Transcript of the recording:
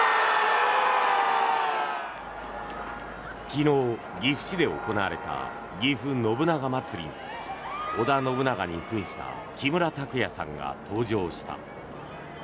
昨日、岐阜市で行われたぎふ信長まつりに織田信長に扮した木村拓哉さんが登場した。